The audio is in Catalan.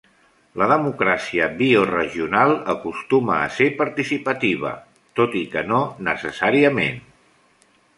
La democràcia bio-regional acostuma a ser participativa tot i que no necessàriament.